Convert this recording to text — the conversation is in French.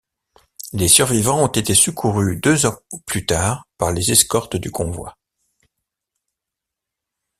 Les survivants ont été secourus deux heures plus tard par les escortes du convoi.